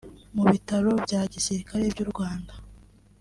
mu Bitaro bya Gisirikare by’u Rwanda